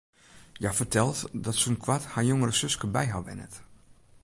Hja fertelt dat sûnt koart har jongere suske by har wennet.